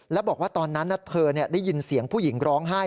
แล้วบอกว่าตอนนั้นเธอได้ยินเสียงผู้หญิงร้องไห้